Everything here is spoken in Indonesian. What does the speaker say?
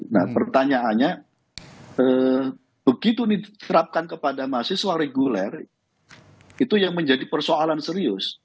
nah pertanyaannya begitu ini diterapkan kepada mahasiswa reguler itu yang menjadi persoalan serius